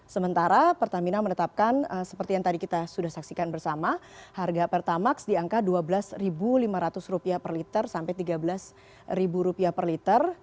sementara pertamina menetapkan seperti yang tadi kita sudah saksikan bersama harga pertamax di angka rp dua belas lima ratus per liter sampai rp tiga belas per liter